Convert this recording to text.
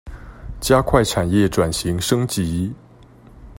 加快產業轉型升級